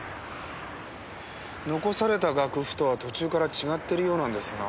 残された楽譜とは途中から違ってるようなんですが。